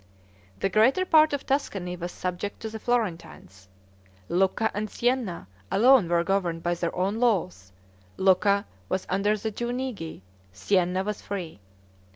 The greater part of Tuscany was subject to the Florentines. Lucca and Sienna alone were governed by their own laws; Lucca was under the Guinigi; Sienna was free.